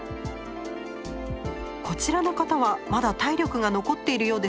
こちらの方はまだ体力が残っているようですよ。